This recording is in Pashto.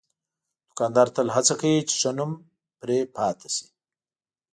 دوکاندار تل هڅه کوي چې ښه نوم پرې پاتې شي.